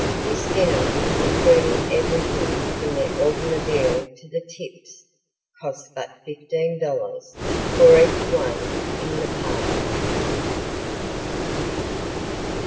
This dinner, including everything from the automobile to the tips cost but fifteen dollars for each one in the party.